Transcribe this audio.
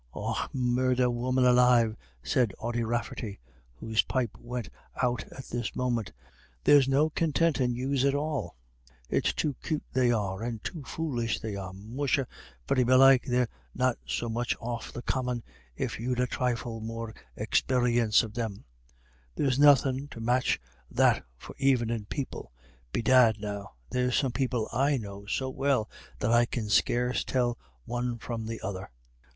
"Och, murdher, women alive!" said Ody Rafferty, whose pipe went out at this moment, "there's no contintin' yous at all. It's too cute they are, and too foolish they are. Musha, very belike they're not so much off the common if you'd a thrifle more exparience of them; there's nothin' to match that for evenin' people. Bedad, now, there's some people I know so well that I can scarce tell the one from the other."